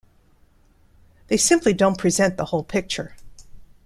They simply don't present the whole picture.